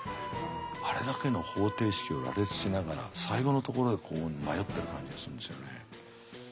あれだけの方程式を羅列しながら最後のところでこう迷ってる感じがするんですよね。